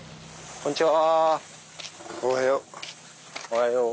こんにちは。